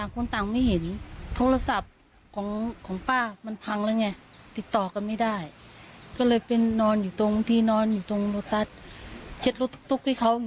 เขานั่งรออยู่ตรงนี้อ่ะจ้ะ